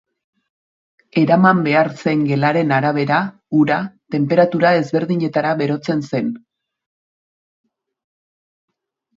Eraman behar zen gelaren arabera, ura, tenperatura ezberdinetara berotzen zen.